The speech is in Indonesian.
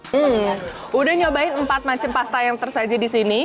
hmm udah nyobain empat macam pasta yang tersedia di sini